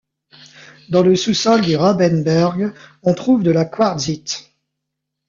Dans le sous-sol du Rabenberg, on trouve de la quartzite.